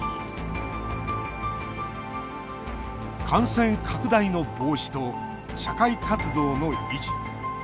感染拡大の防止と社会活動の維持。